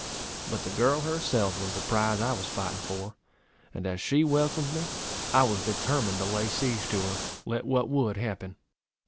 But the girl herself was the prize I was fighting for; and as she welcomed me, I was determined to lay siege to her, let what would happen.